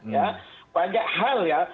ya banyak hal ya